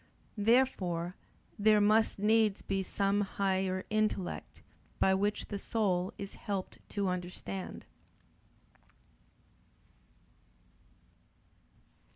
Therefore there must needs be some higher intellect, by which the soul is helped to understand.